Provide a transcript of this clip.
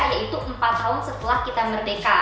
yaitu empat tahun setelah kita merdeka